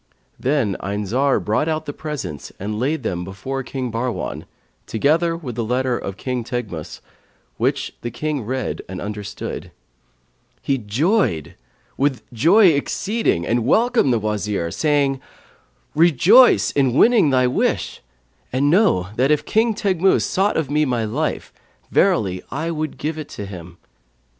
Then Ayn Zar brought out the presents and laid them before King Bahrwan, together with the letter of King Teghmus, which when the King read and understood, he joyed with joy exceeding and welcomed the Wazir, saying, 'Rejoice in winning thy wish; and know that if King Teghmus sought of me my life, verily I would give it to him.'